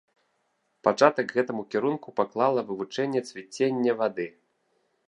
Пачатак гэтаму кірунку паклала вывучэнне цвіцення вады.